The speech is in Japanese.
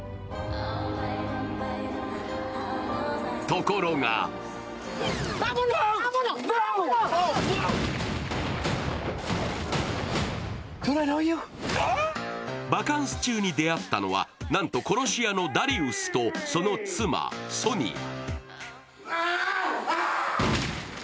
ところがバカンス中に出会ったのはなんと殺し屋のダリウスとその妻・ソニー。